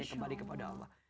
kembali kepada allah